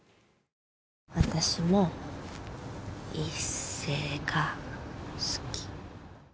私も一星が好き。